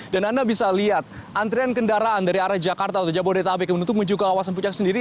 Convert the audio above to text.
dan anda bisa lihat antrean kendaraan dari arah jakarta atau jabodetabek untuk menuju ke kawasan puncak sendiri